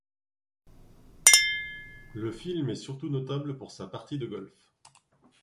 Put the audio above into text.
Le film est surtout notable pour sa partie de golf.